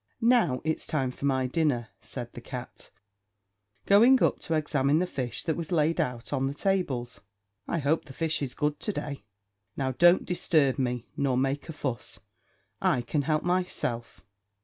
"Now, it's time for my dinner," said the cat, going up to examine the fish that was laid out on the tables. "I hope the fish is good to day. Now, don't disturb me, nor make a fuss; I can help myself."